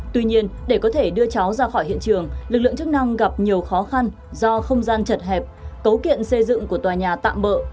tuy nhiên để có thể đưa cháu ra khỏi hiện trường lực lượng chức năng gặp nhiều khó khăn do không gian chật hẹp cấu kiện xây dựng của tòa nhà tạm bỡ